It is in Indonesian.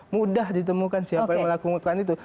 mudah ditemukan siapa yang melakukan itu